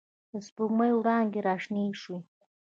د سپوږ مۍ وړانګې را شنې شوې